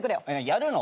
やるの？